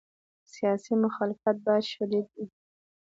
سیاسي مخالفت باید شدید وي.